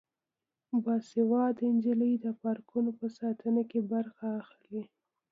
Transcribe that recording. باسواده نجونې د پارکونو په ساتنه کې برخه اخلي.